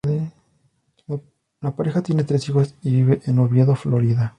La pareja tiene tres hijos y vive en Oviedo, Florida.